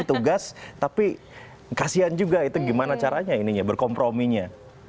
ini tugas tapi kasian juga itu gimana caranya ini ya berkomprominya